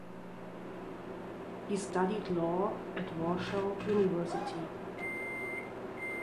He studied law at Warsaw University.